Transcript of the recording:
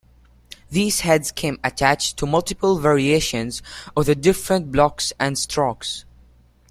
These heads came attached to multiple variations of the different blocks and strokes.